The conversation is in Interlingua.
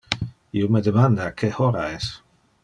Io me demanda que hora es.